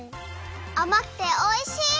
あまくておいしい！